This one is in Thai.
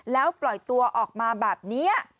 แล้วปล่อยตัวออกมาแบบนี้